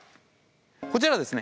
こちらはですね